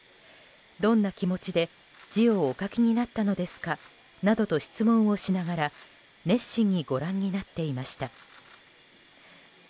どんな気持ちで字をお書きになったのですかなどと質問をしながら熱心にご覧になっていました。